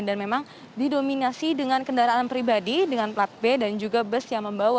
dan memang didominasi dengan kendaraan pribadi dengan plat b dan juga bus yang membawa